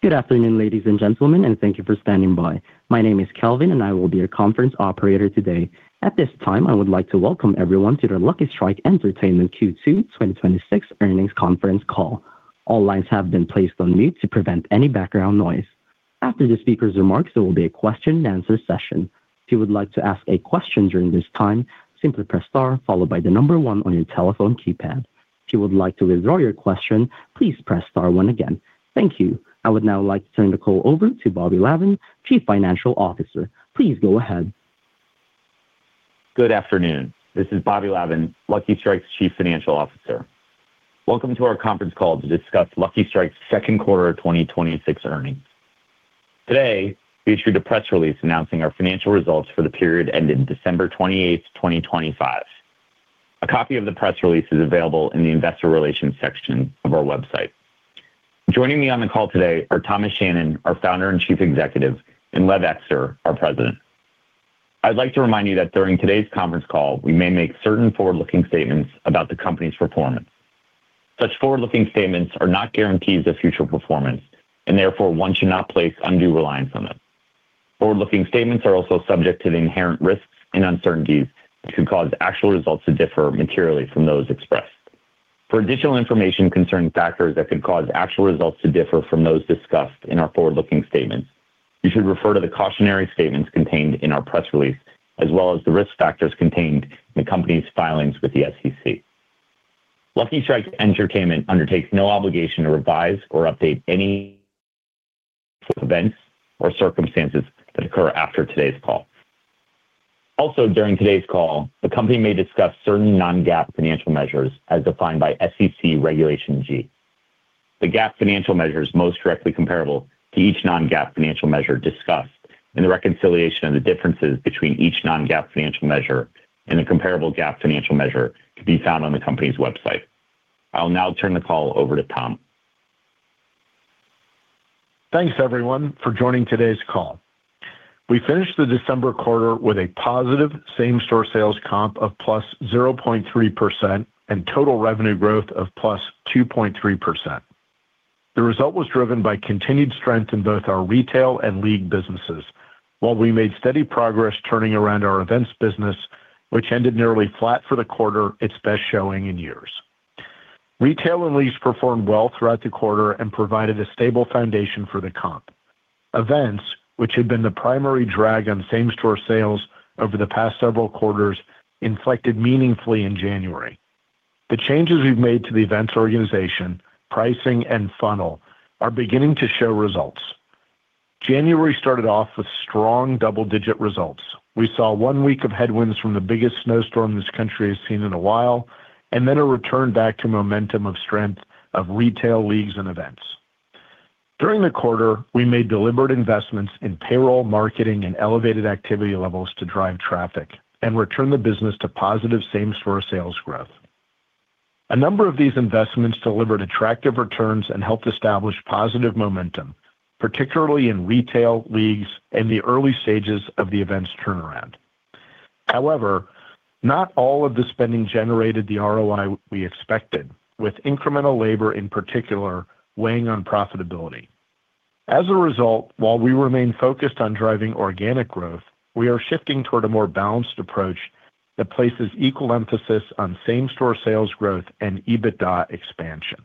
Good afternoon, ladies and gentlemen, and thank you for standing by. My name is Calvin, and I will be your conference operator today. At this time, I would like to welcome everyone to the Lucky Strike Entertainment Q2 2026 Earnings Conference Call. All lines have been placed on mute to prevent any background noise. After the speaker's remarks, there will be a question-and-answer session. If you would like to ask a question during this time, simply press star followed by the number one on your telephone keypad. If you would like to withdraw your question, please press star one again. Thank you. I would now like to turn the call over to Bobby Lavan, Chief Financial Officer. Please go ahead. Good afternoon. This is Bobby Lavan, Lucky Strike's Chief Financial Officer. Welcome to our conference call to discuss Lucky Strike's second quarter 2026 earnings. Today, we issued a press release announcing our financial results for the period ending December 28th, 2025. A copy of the press release is available in the Investor Relations section of our website. Joining me on the call today are Thomas Shannon, our Founder and Chief Executive, and Lev Ekster, our President. I'd like to remind you that during today's conference call, we may make certain forward-looking statements about the company's performance. Such forward-looking statements are not guarantees of future performance, and therefore one should not place undue reliance on them. Forward-looking statements are also subject to the inherent risks and uncertainties that could cause actual results to differ materially from those expressed. For additional information concerning factors that could cause actual results to differ from those discussed in our forward-looking statements, you should refer to the cautionary statements contained in our press release, as well as the risk factors contained in the company's filings with the SEC. Lucky Strike Entertainment undertakes no obligation to revise or update any events or circumstances that occur after today's call. Also, during today's call, the company may discuss certain non-GAAP financial measures as defined by SEC Regulation G. The GAAP financial measure is most directly comparable to each non-GAAP financial measure discussed, and the reconciliation of the differences between each non-GAAP financial measure and the comparable GAAP financial measure can be found on the company's website. I'll now turn the call over to Tom. Thanks, everyone, for joining today's call. We finished the December quarter with a positive same-store sales comp of +0.3% and total revenue growth of +2.3%. The result was driven by continued strength in both our retail and league businesses, while we made steady progress turning around our events business, which ended nearly flat for the quarter, its best showing in years. Retail and leagues performed well throughout the quarter and provided a stable foundation for the comp. Events, which had been the primary drag on same-store sales over the past several quarters, inflected meaningfully in January. The changes we've made to the events organization, pricing, and funnel are beginning to show results. January started off with strong double-digit results. We saw one week of headwinds from the biggest snowstorm this country has seen in a while, and then a return back to momentum of strength of retail, leagues, and events. During the quarter, we made deliberate investments in payroll, marketing, and elevated activity levels to drive traffic and return the business to positive same-store sales growth. A number of these investments delivered attractive returns and helped establish positive momentum, particularly in retail, leagues, and the early stages of the events turnaround. However, not all of the spending generated the ROI we expected, with incremental labor, in particular, weighing on profitability. As a result, while we remain focused on driving organic growth, we are shifting toward a more balanced approach that places equal emphasis on same-store sales growth and EBITDA expansion.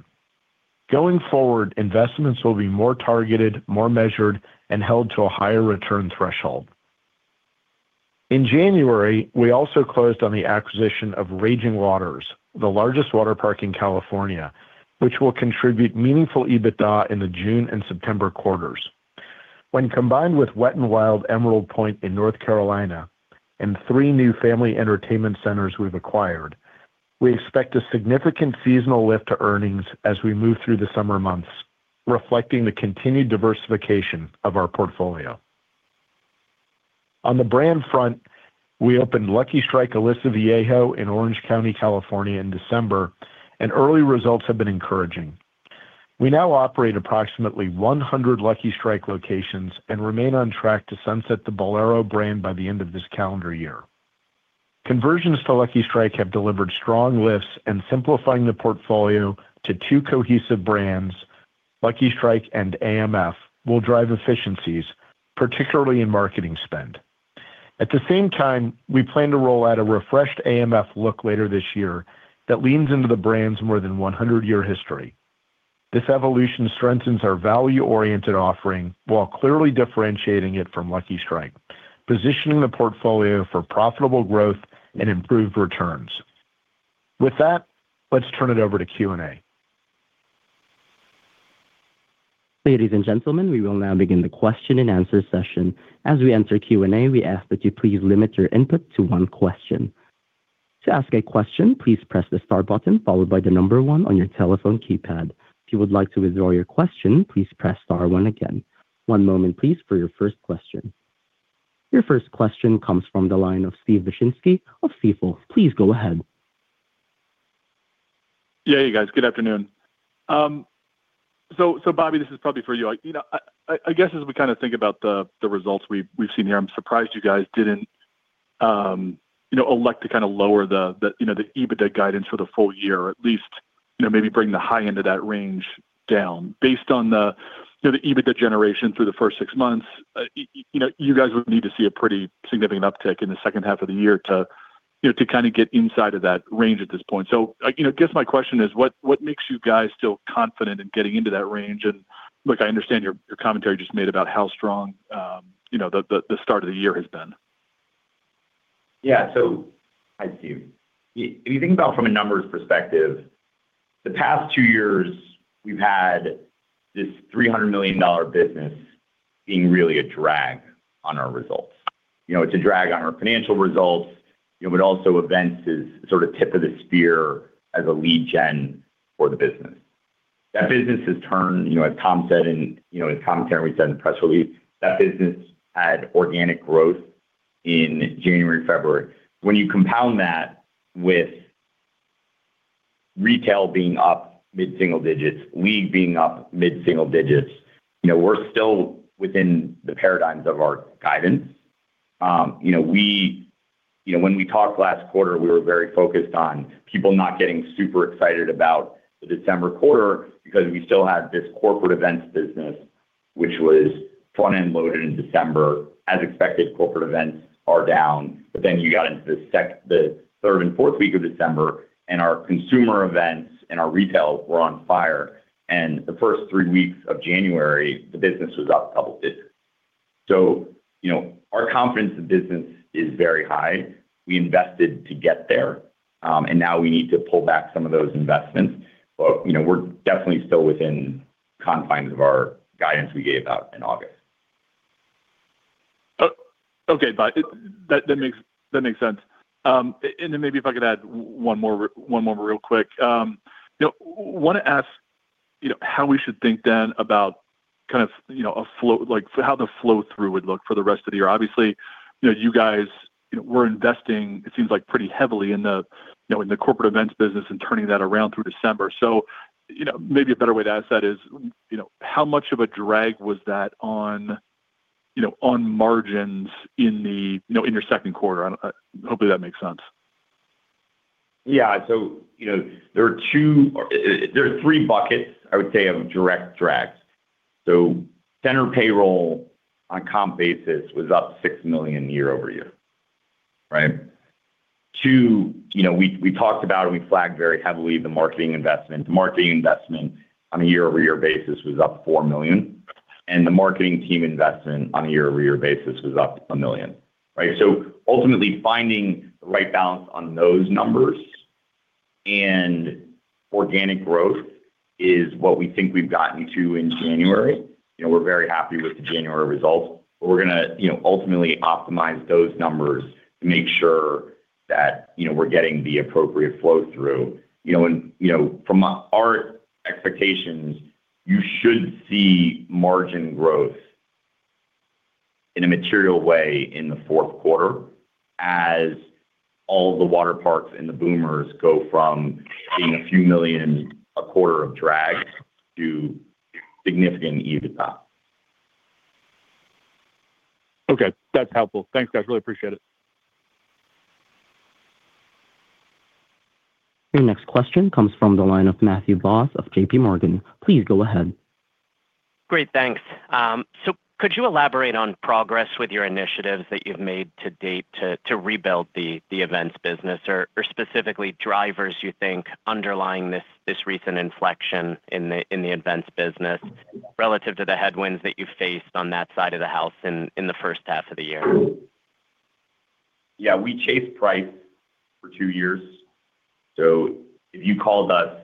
Going forward, investments will be more targeted, more measured, and held to a higher return threshold. In January, we also closed on the acquisition of Raging Waters, the largest water park in California, which will contribute meaningful EBITDA in the June and September quarters. When combined with Wet 'n Wild Emerald Pointe in North Carolina and three new family entertainment centers we've acquired, we expect a significant seasonal lift to earnings as we move through the summer months, reflecting the continued diversification of our portfolio. On the brand front, we opened Lucky Strike Aliso Viejo in Orange County, California, in December, and early results have been encouraging. We now operate approximately 100 Lucky Strike locations and remain on track to sunset the Bowlero brand by the end of this calendar year. Conversions to Lucky Strike have delivered strong lifts, and simplifying the portfolio to two cohesive brands, Lucky Strike and AMF, will drive efficiencies, particularly in marketing spend. At the same time, we plan to roll out a refreshed AMF look later this year that leans into the brand's more than 100-year history. This evolution strengthens our value-oriented offering while clearly differentiating it from Lucky Strike, positioning the portfolio for profitable growth and improved returns. With that, let's turn it over to Q&A. Ladies and gentlemen, we will now begin the question-and-answer session. As we enter Q&A, we ask that you please limit your input to one question. To ask a question, please press the star button followed by the number one on your telephone keypad. If you would like to withdraw your question, please press star one again. One moment, please, for your first question. Your first question comes from the line of Steven Wieczynski of Stifel. Please go ahead. Yeah, you guys. Good afternoon. So, Bobby, this is probably for you. You know, I guess as we kind of think about the results we've seen here, I'm surprised you guys didn't-... you know, elect to kind of lower the, the, you know, the EBITDA guidance for the full year, at least, you know, maybe bring the high end of that range down. Based on the, you know, the EBITDA generation through the first six months, you know, you guys would need to see a pretty significant uptick in the second half of the year to, you know, to kind of get inside of that range at this point. So, like, you know, I guess my question is, what makes you guys feel confident in getting into that range? And look, I understand your commentary just made about how strong, you know, the start of the year has been. Yeah. So, I see. If you think about from a numbers perspective, the past two years, we've had this $300 million business being really a drag on our results. You know, it's a drag on our financial results, you know, but also events is sort of tip of the spear as a lead gen for the business. That business has turned, you know, as Tom said in, you know, as Tom said in the press release, that business had organic growth in January, February. When you compound that with retail being up mid-single digits, league being up mid-single digits, you know, we're still within the paradigms of our guidance. You know, when we talked last quarter, we were very focused on people not getting super excited about the December quarter because we still had this corporate events business, which was front-end loaded in December. As expected, corporate events are down, but then you got into the third and fourth week of December, and our consumer events and our retail were on fire, and the first three weeks of January, the business was up double digits. So, you know, our confidence in the business is very high. We invested to get there, and now we need to pull back some of those investments. But, you know, we're definitely still within confines of our guidance we gave out in August. Okay, Bobby. That makes sense. And then maybe if I could add one more real quick. You know, wanna ask, you know, how we should think then about kind of, you know, a flow—like how the flow-through would look for the rest of the year. Obviously, you know, you guys, you know, were investing, it seems like, pretty heavily in the, you know, in the corporate events business and turning that around through December. So, you know, maybe a better way to ask that is, you know, how much of a drag was that on, you know, on margins in the, you know, in your second quarter? I don't... Hopefully, that makes sense. Yeah. So, you know, there are three buckets, I would say, of direct drags. So center payroll on comp basis was up $6 million YoY, right? Two, you know, we, we talked about, and we flagged very heavily the marketing investment. The marketing investment on a YoY basis was up $4 million, and the marketing team investment on a YoY basis was up $1 million, right? So ultimately, finding the right balance on those numbers and organic growth is what we think we've gotten to in January. You know, we're very happy with the January results, but we're gonna, you know, ultimately optimize those numbers to make sure that, you know, we're getting the appropriate flow-through. You know, and, you know, from our expectations, you should see margin growth in a material way in the fourth quarter, as all the water parks and the Boomers go from being a few million dollars a quarter of drag to significant EBITDA. Okay, that's helpful. Thanks, guys. Really appreciate it. Your next question comes from the line of Matthew Boss of JP Morgan. Please go ahead. Great, thanks. So could you elaborate on progress with your initiatives that you've made to date to rebuild the events business, or specifically drivers you think underlying this recent inflection in the events business relative to the headwinds that you faced on that side of the house in the first half of the year? Yeah, we chased price for two years. So if you called us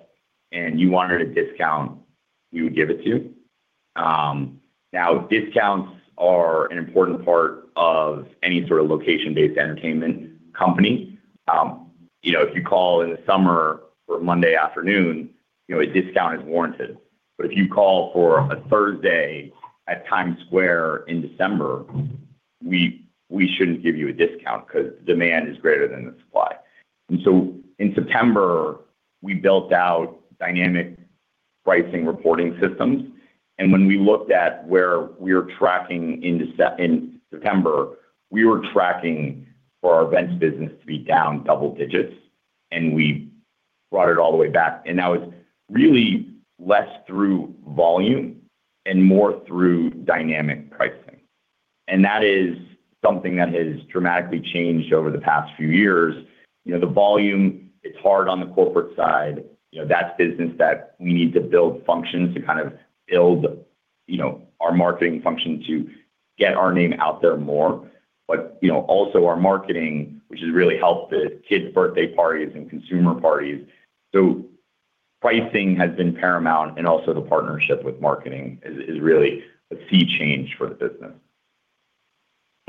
and you wanted a discount, we would give it to you. Now, discounts are an important part of any sort of location-based entertainment company. You know, if you call in the summer or Monday afternoon, you know, a discount is warranted. But if you call for a Thursday at Times Square in December, we shouldn't give you a discount 'cause demand is greater than the supply. And so in September, we built out dynamic pricing reporting systems, and when we looked at where we were tracking in September, we were tracking for our events business to be down double digits, and we brought it all the way back. And that was really less through volume and more through dynamic pricing. And that is something that has dramatically changed over the past few years. You know, the volume, it's hard on the corporate side. You know, that's business that we need to build functions to kind of build, you know, our marketing function to get our name out there more. But, you know, also our marketing, which has really helped the kids' birthday parties and consumer parties. So pricing has been paramount, and also the partnership with marketing is, is really a key change for the business.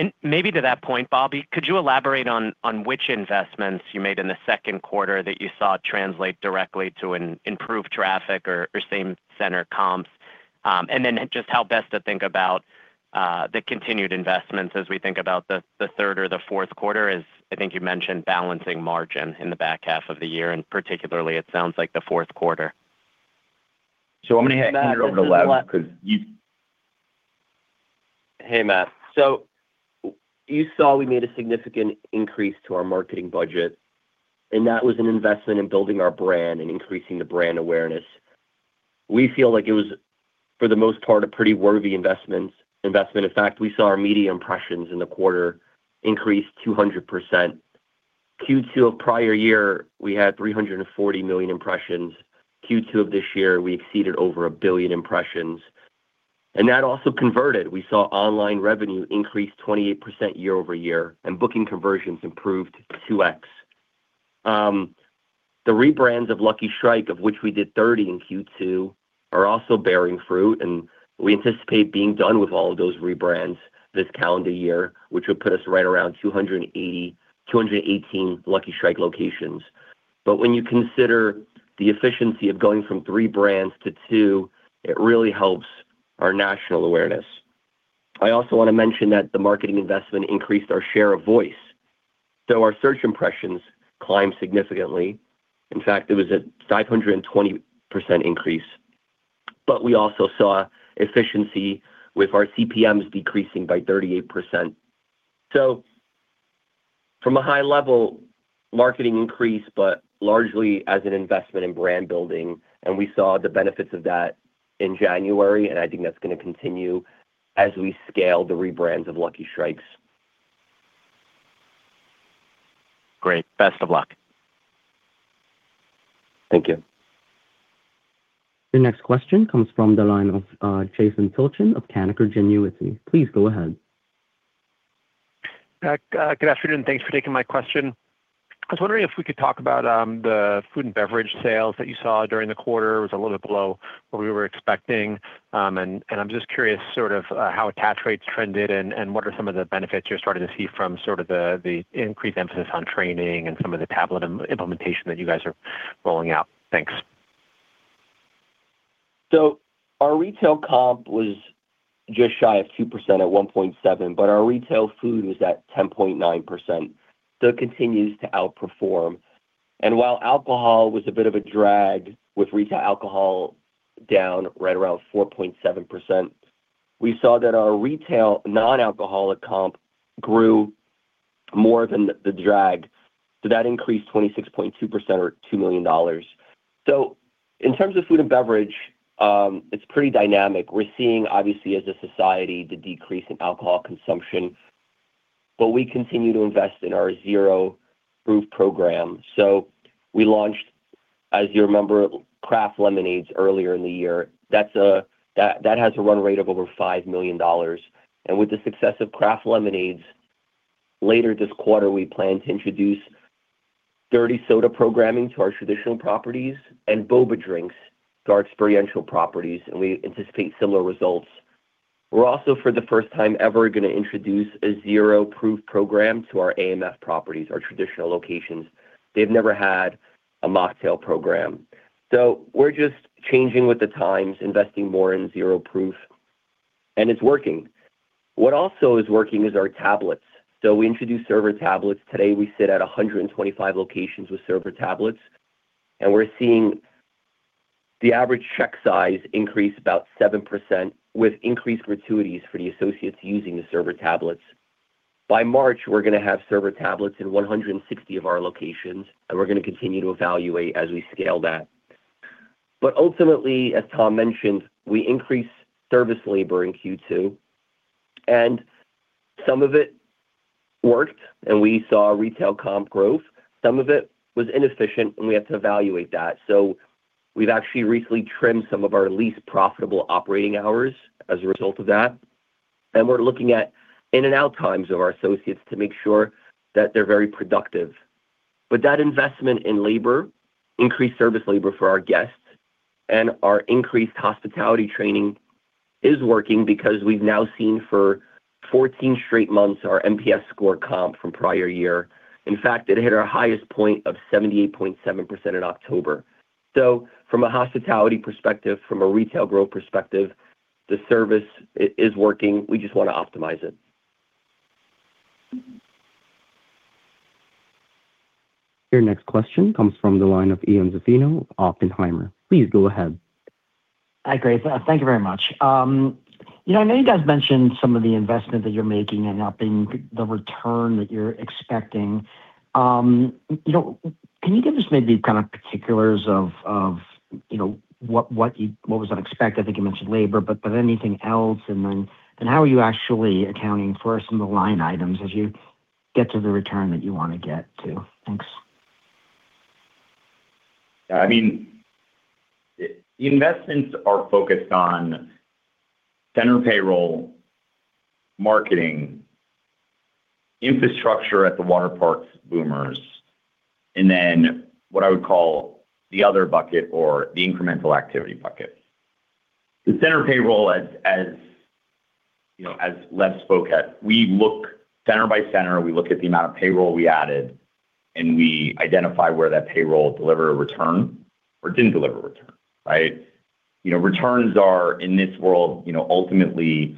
And maybe to that point, Bobby, could you elaborate on which investments you made in the second quarter that you saw translate directly to an improved traffic or same center comps? And then just how best to think about the continued investments as we think about the third or the fourth quarter, as I think you mentioned, balancing margin in the back half of the year, and particularly it sounds like the fourth quarter.... So I'm going to hand it over to Lev, because you- Hey, Matt. So you saw we made a significant increase to our marketing budget, and that was an investment in building our brand and increasing the brand awareness. We feel like it was, for the most part, a pretty worthy investment. In fact, we saw our media impressions in the quarter increase 200%. Q2 of prior year, we had 340 million impressions. Q2 of this year, we exceeded over 1 billion impressions, and that also converted. We saw online revenue increase 28% YoY, and booking conversions improved 2x. The rebrands of Lucky Strike, of which we did 30 in Q2, are also bearing fruit, and we anticipate being done with all of those rebrands this calendar year, which would put us right around 218 Lucky Strike locations. When you consider the efficiency of going from three brands to two, it really helps our national awareness. I also want to mention that the marketing investment increased our share of voice, so our search impressions climbed significantly. In fact, it was a 520% increase, but we also saw efficiency with our CPMs decreasing by 38%. From a high level, marketing increased, but largely as an investment in brand building, and we saw the benefits of that in January, and I think that's going to continue as we scale the rebrands of Lucky Strikes. Great. Best of luck. Thank you. The next question comes from the line of Jason Tilchen of Canaccord Genuity. Please go ahead. Good afternoon, thanks for taking my question. I was wondering if we could talk about the food and beverage sales that you saw during the quarter. It was a little bit below what we were expecting. I'm just curious sort of how attach rates trended and what are some of the benefits you're starting to see from sort of the increased emphasis on training and some of the tablet implementation that you guys are rolling out? Thanks. So our retail comp was just shy of 2% at 1.7%, but our retail food was at 10.9%, so it continues to outperform. And while alcohol was a bit of a drag, with retail alcohol down right around 4.7%, we saw that our retail non-alcoholic comp grew more than the drag, so that increased 26.2% or $2 million. So in terms of food and beverage, it's pretty dynamic. We're seeing, obviously, as a society, the decrease in alcohol consumption, but we continue to invest in our zero-proof program. So we launched, as you remember, craft lemonades earlier in the year. That has a run rate of over $5 million. With the success of craft lemonades, later this quarter, we plan to introduce dirty soda programming to our traditional properties and boba drinks to our experiential properties, and we anticipate similar results. We're also, for the first time ever, going to introduce a zero-proof program to our AMF properties, our traditional locations. They've never had a mocktail program. We're just changing with the times, investing more in zero-proof, and it's working. What also is working is our tablets. We introduced server tablets. Today, we sit at 125 locations with server tablets, and we're seeing the average check size increase about 7%, with increased gratuities for the associates using the server tablets. By March, we're going to have server tablets in 160 of our locations, and we're going to continue to evaluate as we scale that. But ultimately, as Tom mentioned, we increased service labor in Q2, and some of it worked, and we saw retail comp growth. Some of it was inefficient, and we had to evaluate that. So we've actually recently trimmed some of our least profitable operating hours as a result of that, and we're looking at in-and-out times of our associates to make sure that they're very productive. But that investment in labor, increased service labor for our guests and our increased hospitality training is working because we've now seen for 14 straight months our NPS score comp from prior year. In fact, it hit our highest point of 78.7% in October. So from a hospitality perspective, from a retail growth perspective, the service it is working. We just want to optimize it. Your next question comes from the line of Ian Zaffino, Oppenheimer. Please go ahead. Hi, great. Thank you very much. You know, I know you guys mentioned some of the investment that you're making and noting the return that you're expecting. You know, can you give us maybe kind of particulars of, you know, what was unexpected? I think you mentioned labor, but anything else? And then, how are you actually accounting for some of the line items as you get to the return that you want to get to? Thanks. I mean, the investments are focused on center payroll, marketing, infrastructure at the water parks, Boomers, and then what I would call the other bucket or the incremental activity bucket. The center payroll, as you know, as Lev spoke at, we look center by center. We look at the amount of payroll we added, and we identify where that payroll delivered a return or didn't deliver a return, right? You know, returns are, in this world, you know, ultimately, you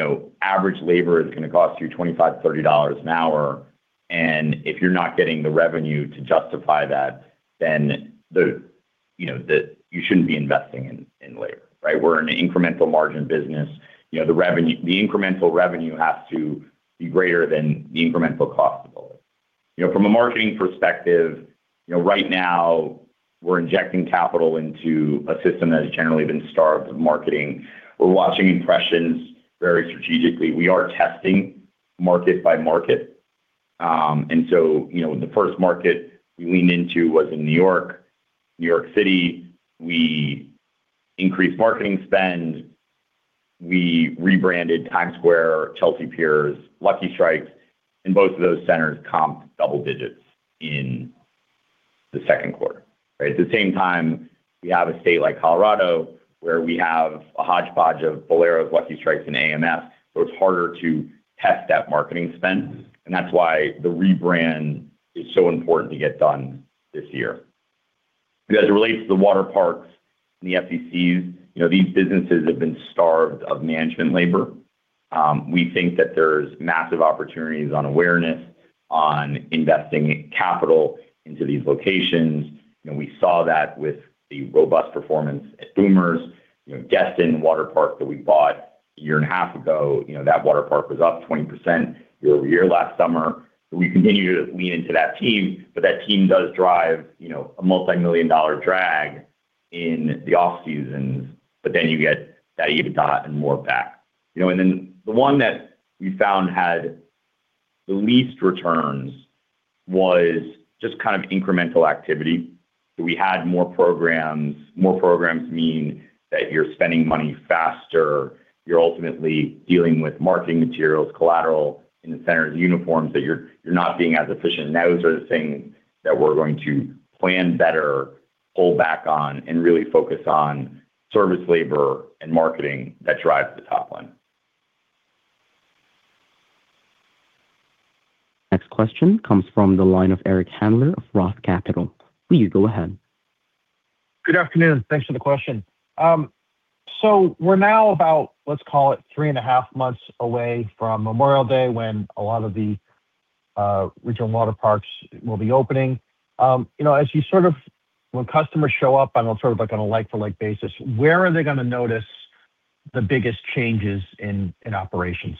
know, average labor is going to cost you $25-$30 an hour. If you're not getting the revenue to justify that, then you know, you shouldn't be investing in labor, right? We're in an incremental margin business. You know, the revenue, the incremental revenue has to be greater than the incremental cost of labor. You know, from a marketing perspective, you know, right now, we're injecting capital into a system that has generally been starved of marketing. We're watching impressions very strategically. We are testing market by market. And so, you know, the first market we leaned into was in New York. New York City, we increased marketing spend, we rebranded Times Square, Chelsea Piers, Lucky Strike, and both of those centers comped double digits in the second quarter, right? At the same time, we have a state like Colorado, where we have a hodgepodge of Bowlero, Lucky Strike, and AMF, so it's harder to test that marketing spend, and that's why the rebrand is so important to get done this year. As it relates to the water parks and the FECs, you know, these businesses have been starved of management labor. We think that there's massive opportunities on awareness, on investing capital into these locations. You know, we saw that with the robust performance at Boomers. You know, Raging Waters that we bought a year and a half ago, you know, that water park was up 20% YoY last summer. So we continue to lean into that team, but that team does drive, you know, a $multi-million drag in the off-seasons, but then you get that EBITDA and more back. You know, and then the one that we found had the least returns was just kind of incremental activity. So we had more programs. More programs mean that you're spending money faster, you're ultimately dealing with marketing materials, collateral in the centers, uniforms, that you're not being as efficient. Those are the things that we're going to plan better, pull back on, and really focus on service labor and marketing that drives the top line. Next question comes from the line of Eric Handler of ROTH Capital. Please go ahead. Good afternoon. Thanks for the question. So we're now about, let's call it, three and a half months away from Memorial Day, when a lot of the regional water parks will be opening. You know, when customers show up on a sort of, like, on a like-for-like basis, where are they gonna notice the biggest changes in operations?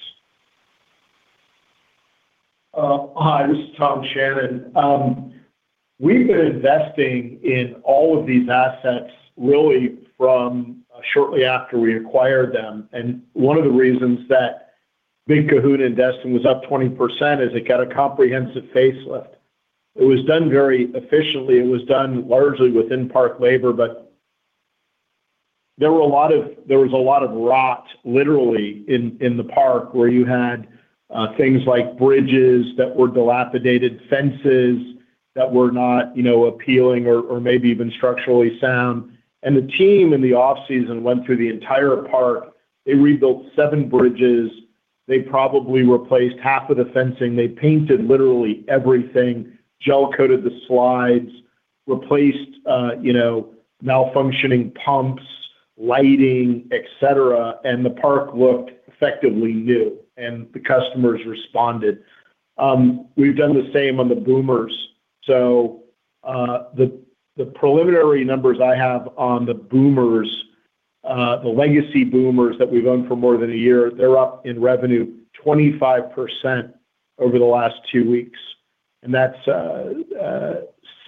Hi, this is Tom Shannon. We've been investing in all of these assets really from shortly after we acquired them, and one of the reasons that Big Kahuna's in Destin was up 20% is it got a comprehensive facelift. It was done very efficiently. It was done largely within park labor, but there were a lot of-- there was a lot of rot, literally, in, in the park, where you had things like bridges that were dilapidated, fences that were not, you know, appealing or, or maybe even structurally sound. And the team in the off-season went through the entire park. They rebuilt seven bridges. They probably replaced half of the fencing. They painted literally everything, gel-coated the slides, replaced, you know, malfunctioning pumps, lighting, et cetera, and the park looked effectively new, and the customers responded. We've done the same on the Boomers. So, the preliminary numbers I have on the Boomers, the legacy Boomers that we've owned for more than a year, they're up in revenue 25% over the last two weeks, and that's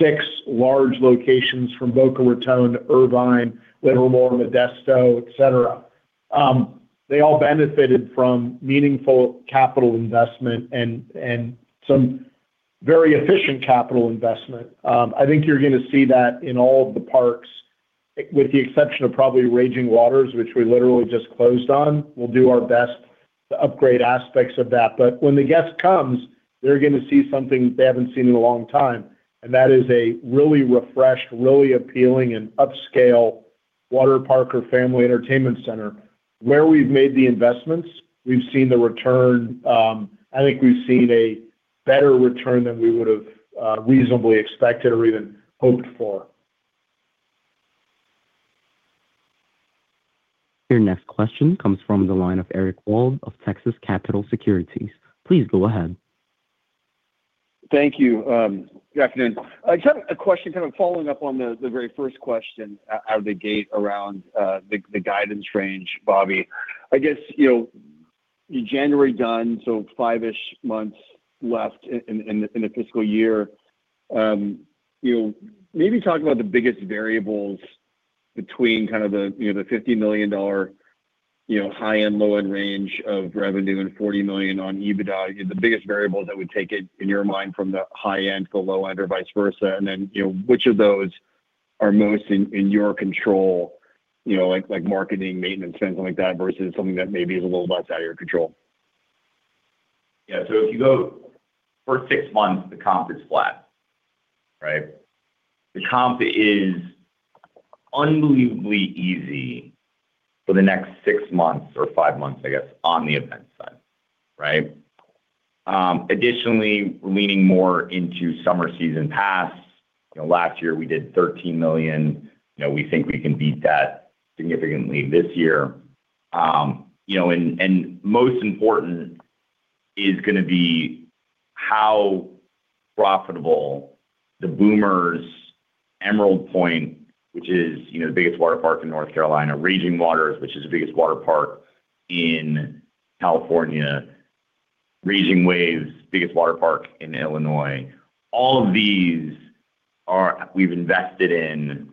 six large locations from Boca Raton to Irvine, Livermore, Modesto, et cetera. They all benefited from meaningful capital investment and some very efficient capital investment. I think you're gonna see that in all of the parks, with the exception of probably Raging Waters, which we literally just closed on. We'll do our best to upgrade aspects of that. But when the guest comes, they're gonna see something they haven't seen in a long time, and that is a really refreshed, really appealing, and upscale water park or family entertainment center. Where we've made the investments, we've seen the return. I think we've seen a better return than we would've reasonably expected or even hoped for. Your next question comes from the line of Eric Wold of Texas Capital Securities. Please go ahead. Thank you. Good afternoon. I just have a question kind of following up on the, the very first question out of the gate around the guidance range, Bobby. I guess, you know, January done, so five-ish months left in the fiscal year. You know, maybe talk about the biggest variables between kind of the, you know, the $50 million high and low end range of revenue and $40 million on EBITDA, the biggest variables that would take it, in your mind, from the high end to the low end or vice versa. And then, you know, which of those are most in your control? You know, like, like marketing, maintenance, things like that, versus something that maybe is a little less out of your control. Yeah, so if you go for six months, the comp is flat, right? The comp is unbelievably easy for the next six months or five months, I guess, on the event side, right? Additionally, we're leaning more into summer season pass. You know, last year we did $13 million. You know, we think we can beat that significantly this year. You know, and most important is gonna be how profitable the Wet 'n Wild Emerald Pointe, which is, you know, the biggest water park in North Carolina, Raging Waters, which is the biggest water park in California, Raging Waves, biggest water park in Illinois. All of these are. We've invested in.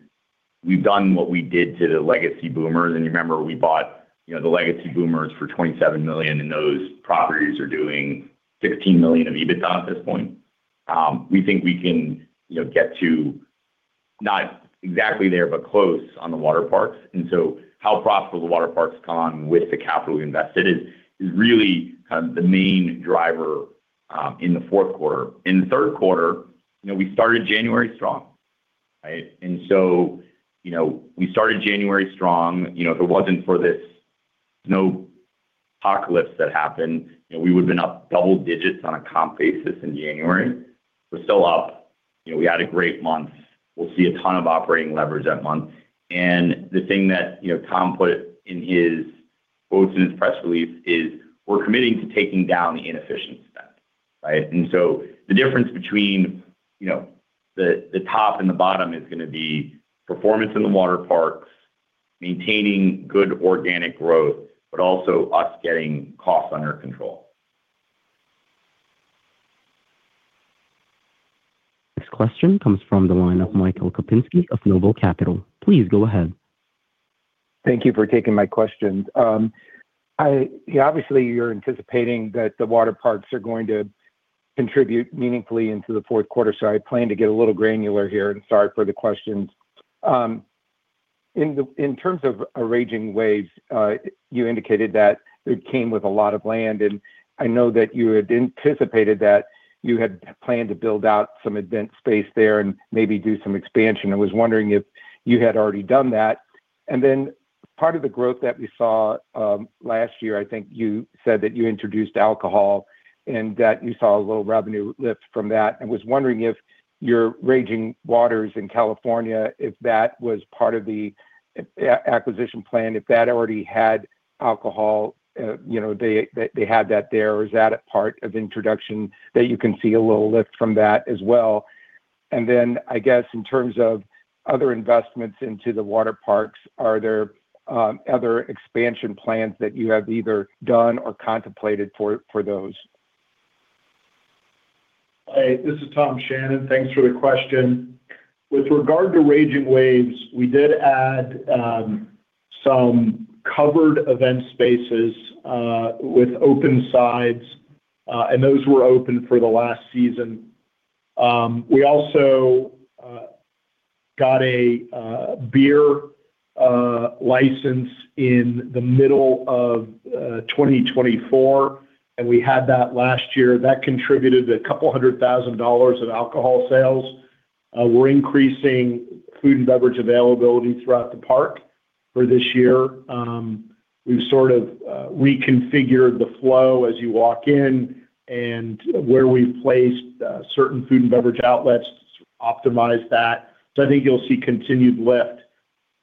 We've done what we did to the legacy Boomers, and you remember we bought, you know, the legacy Boomers for $27 million, and those properties are doing $16 million of EBITDA at this point. We think we can, you know, get to not exactly there, but close on the water parks. And so how profitable the water parks come on with the capital we invested is, is really kind of the main driver, in the fourth quarter. In the third quarter, you know, we started January strong, right? And so, you know, we started January strong. You know, if it wasn't for this snowpocalypse that happened, you know, we would've been up double digits on a comp basis in January. We're still up. You know, we had a great month. We'll see a ton of operating leverage that month, and the thing that, you know, Tom put in his quotes in his press release is: We're committing to taking down the inefficient spend, right? And so the difference between, you know, the top and the bottom is gonna be performance in the water parks, maintaining good organic growth, but also us getting costs under control. Next question comes from the line of Michael Kupinski of Noble Capital. Please go ahead. Thank you for taking my questions. Obviously, you're anticipating that the water parks are going to contribute meaningfully into the fourth quarter, so I plan to get a little granular here and sorry for the questions. In terms of Raging Waves, you indicated that it came with a lot of land, and I know that you had anticipated that you had planned to build out some event space there and maybe do some expansion. I was wondering if you had already done that. And then part of the growth that we saw, last year, I think you said that you introduced alcohol and that you saw a little revenue lift from that. I was wondering if your Raging Waters in California, if that was part of the acquisition plan, if that already had alcohol, you know, they had that there, or is that a part of introduction that you can see a little lift from that as well? And then, I guess, in terms of other investments into the water parks, are there other expansion plans that you have either done or contemplated for those? Hey, this is Tom Shannon. Thanks for the question. With regard to Raging Waves, we did add some covered event spaces with open sides and those were open for the last season. We also got a beer license in the middle of 2024, and we had that last year. That contributed a couple hundred thousand dollars in alcohol sales. We're increasing food and beverage availability throughout the park for this year. We've sort of reconfigured the flow as you walk in and where we've placed certain food and beverage outlets to optimize that. So I think you'll see continued lift.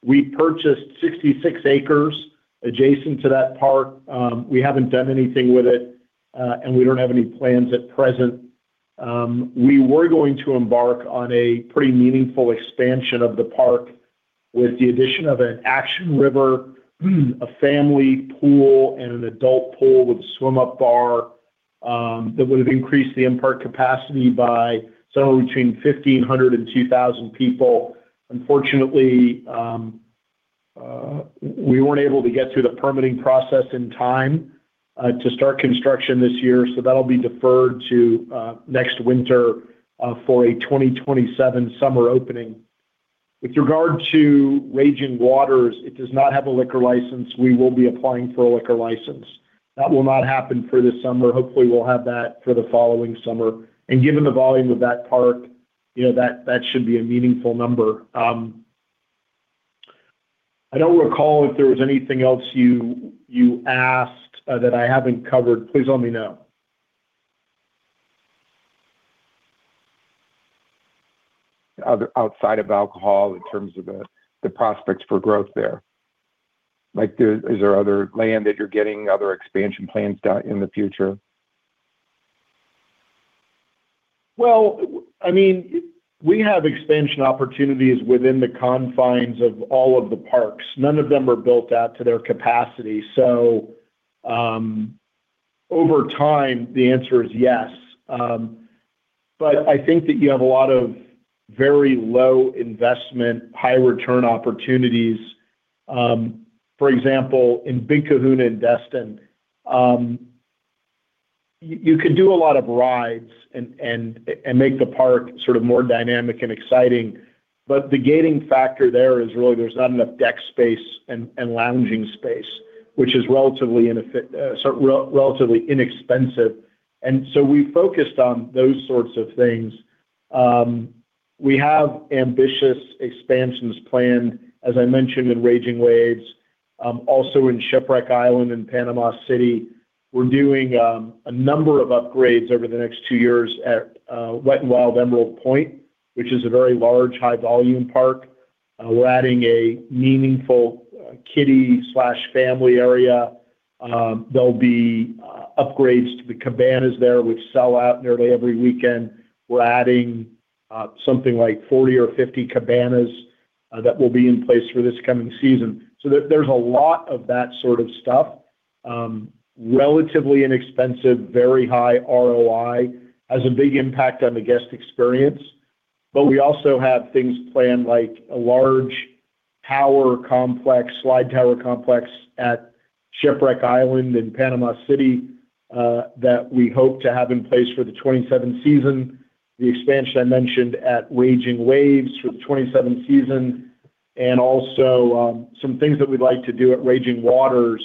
We purchased 66 acres adjacent to that park. We haven't done anything with it and we don't have any plans at present. We were going to embark on a pretty meaningful expansion of the park with the addition of an action river, a family pool, and an adult pool with a swim-up bar that would have increased the in-park capacity by somewhere between 1,500 and 2,000 people. Unfortunately, we weren't able to get through the permitting process in time to start construction this year, so that'll be deferred to next winter for a 2027 summer opening. With regard to Raging Waters, it does not have a liquor license. We will be applying for a liquor license. That will not happen for this summer. Hopefully, we'll have that for the following summer. And given the volume of that park, you know, that should be a meaningful number. I don't recall if there was anything else you asked that I haven't covered. Please let me know. Outside of alcohol, in terms of the prospects for growth there. Like, is there other land that you're getting, other expansion plans in the future? Well, I mean, we have expansion opportunities within the confines of all of the parks. None of them are built out to their capacity. So, over time, the answer is yes. But I think that you have a lot of very low investment, high return opportunities. For example, in Big Kahuna's in Destin, you could do a lot of rides and make the park sort of more dynamic and exciting, but the gating factor there is really there's not enough deck space and lounging space, which is relatively inexpensive, and so we focused on those sorts of things. We have ambitious expansions planned, as I mentioned, in Raging Waves, also in Shipwreck Island, in Panama City. We're doing a number of upgrades over the next two years at Wet 'n Wild Emerald Pointe. which is a very large, high-volume park. We're adding a meaningful kiddie/family area. There'll be upgrades to the cabanas there, which sell out nearly every weekend. We're adding something like 40 or 50 cabanas that will be in place for this coming season. So there, there's a lot of that sort of stuff. Relatively inexpensive, very high ROI, has a big impact on the guest experience. But we also have things planned like a large tower complex, slide tower complex at Shipwreck Island in Panama City that we hope to have in place for the 2027 season. The expansion I mentioned at Raging Waves for the 2027 season, and also some things that we'd like to do at Raging Waters.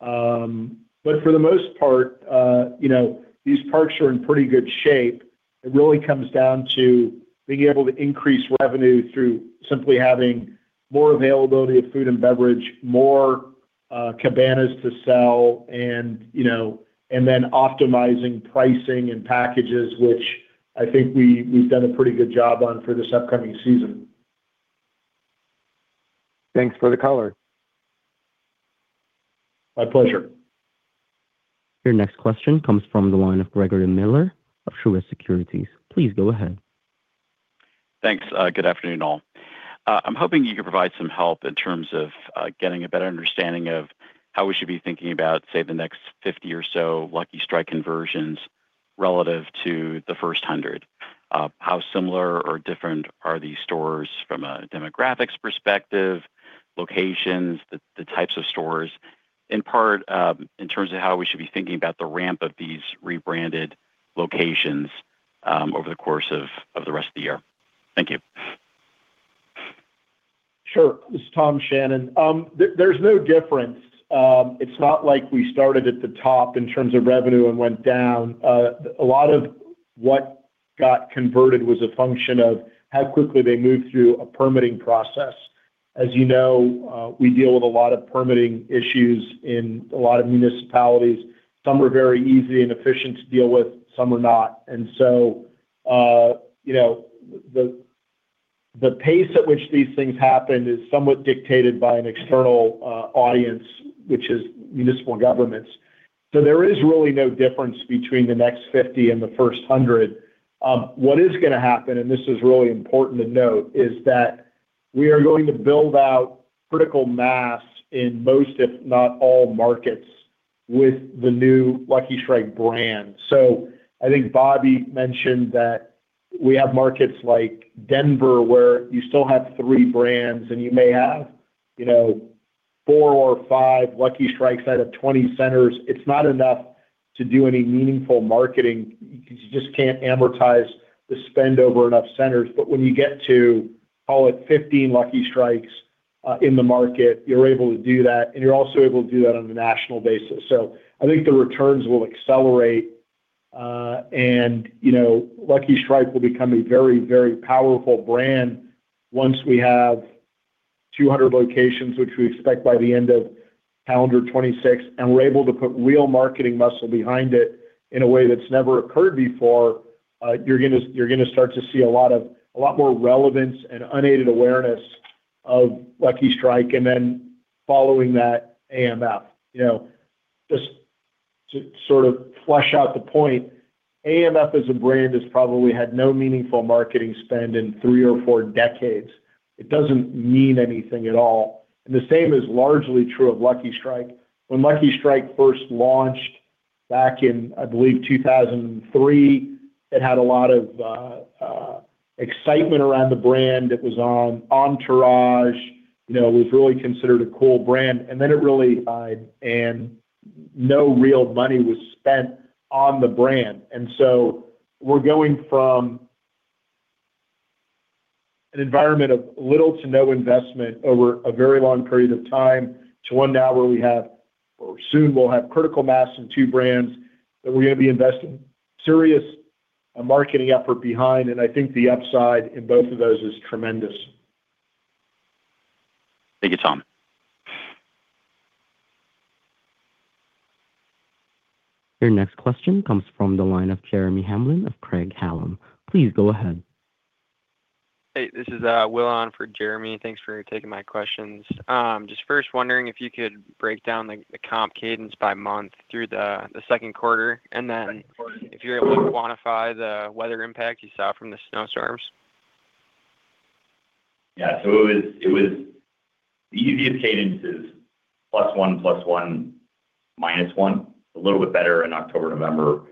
But for the most part, you know, these parks are in pretty good shape. It really comes down to being able to increase revenue through simply having more availability of food and beverage, more cabanas to sell, and, you know, and then optimizing pricing and packages, which I think we, we've done a pretty good job on for this upcoming season. Thanks for the color. My pleasure. Your next question comes from the line of Greg Miller of Truist Securities. Please go ahead. Thanks. Good afternoon, all. I'm hoping you could provide some help in terms of getting a better understanding of how we should be thinking about, say, the next 50 or so Lucky Strike conversions relative to the first 100. How similar or different are these stores from a demographics perspective, locations, the types of stores, in part, in terms of how we should be thinking about the ramp of these rebranded locations, over the course of the rest of the year? Thank you. Sure. This is Tom Shannon. There's no difference. It's not like we started at the top in terms of revenue and went down. A lot of what got converted was a function of how quickly they moved through a permitting process. As you know, we deal with a lot of permitting issues in a lot of municipalities. Some are very easy and efficient to deal with, some are not. And so, you know, the pace at which these things happen is somewhat dictated by an external audience, which is municipal governments. So there is really no difference between the next 50 and the first 100. What is gonna happen, and this is really important to note, is that we are going to build out critical mass in most, if not all, markets with the new Lucky Strike brand. So I think Bobby mentioned that we have markets like Denver, where you still have 3 brands, and you may have, you know, 4 or 5 Lucky Strikes out of 20 centers. It's not enough to do any meaningful marketing. You just can't amortize the spend over enough centers. But when you get to, call it, 15 Lucky Strikes in the market, you're able to do that, and you're also able to do that on a national basis. So I think the returns will accelerate, and, you know, Lucky Strike will become a very, very powerful brand once we have 200 locations, which we expect by the end of calendar 2026, and we're able to put real marketing muscle behind it in a way that's never occurred before. You're gonna start to see a lot more relevance and unaided awareness of Lucky Strike, and then following that, AMF. You know, just to sort of flush out the point, AMF, as a brand, has probably had no meaningful marketing spend in three or four decades. It doesn't mean anything at all. And the same is largely true of Lucky Strike. When Lucky Strike first launched back in, I believe, 2003, it had a lot of excitement around the brand. It was on Entourage, you know, it was really considered a cool brand, and then it really died, and no real money was spent on the brand. So we're going from an environment of little to no investment over a very long period of time to one now where we have, or soon we'll have critical mass in two brands, that we're gonna be investing serious marketing effort behind. I think the upside in both of those is tremendous. Thank you, Tom. Your next question comes from the line of Jeremy Hamblin of Craig-Hallum. Please go ahead. Hey, this is Will on for Jeremy. Thanks for taking my questions. Just first wondering if you could break down the comp cadence by month through the second quarter, and then if you're able to quantify the weather impact you saw from the snowstorms. Yeah. So it was... The easiest cadence is +1, +1, -1. A little bit better in October, November,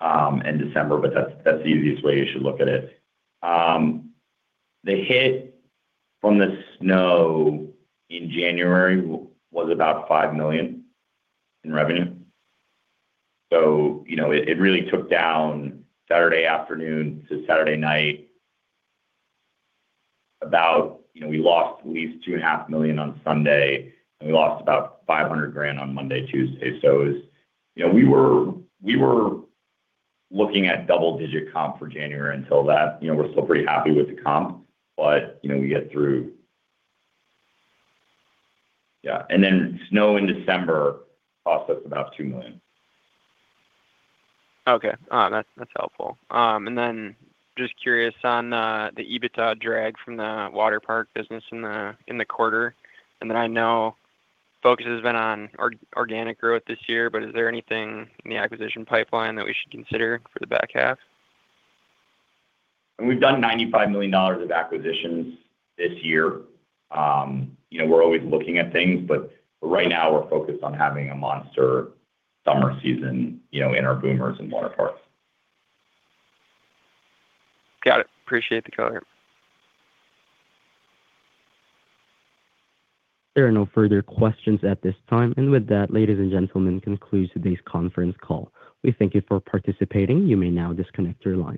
and December, but that's the easiest way you should look at it. The hit from the snow in January was about $5 million in revenue. So, you know, it really took down Saturday afternoon to Saturday night, about... You know, we lost at least $2.5 million on Sunday, and we lost about $500,000 on Monday, Tuesday. So it was... You know, we were looking at double-digit comp for January until that. You know, we're still pretty happy with the comp, but, you know, we get through... Yeah, and then snow in December cost us about $2 million. Okay. That's, that's helpful. And then just curious on the EBITDA drag from the water park business in the quarter, and then I know focus has been on organic growth this year, but is there anything in the acquisition pipeline that we should consider for the back half? We've done $95 million of acquisitions this year. You know, we're always looking at things, but right now we're focused on having a monster summer season, you know, in our Boomers and water parks. Got it. Appreciate the color. There are no further questions at this time. With that, ladies and gentlemen, concludes today's conference call. We thank you for participating. You may now disconnect your lines.